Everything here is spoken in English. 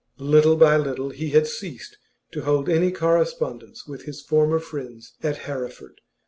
Little by little he had ceased to hold any correspondence with his former friends at Hereford.